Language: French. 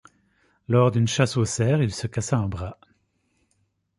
Lors d'une chasse au cerf, il se cassa un bras.